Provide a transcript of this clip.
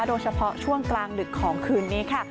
โดยเฉพาะช่วงกลางดึกของคืนนี้ค่ะ